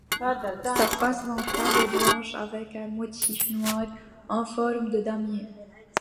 Sa face ventrale est blanche avec un motif noir en forme de damier.